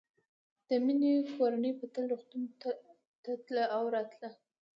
د مينې کورنۍ به تل روغتون ته تله او راتله